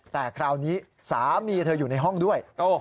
แต่คราวนี้สามีเธออยู่ในห้องด้วย